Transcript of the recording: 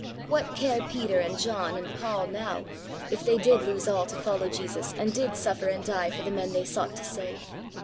What care Peter and John and Paul now, if they did lose all to follow Jesus, and did suffer and die for the men they sought to save